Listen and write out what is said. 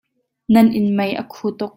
Nan inn mei a khu tuk.